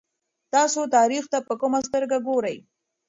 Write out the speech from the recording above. تاسو تاریخ ته په کومه سترګه ګورئ؟